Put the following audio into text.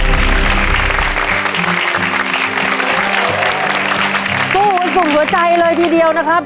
ช่วยกันเชียร์ทั้งนักเรียนทั้งโรงเรียนเลยก็ว่าได้นะครับ